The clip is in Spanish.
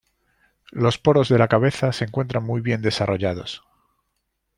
Los poros de la cabeza se encuentran muy bien desarrollados.